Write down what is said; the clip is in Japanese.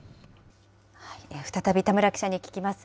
再び田村記者に聞きます。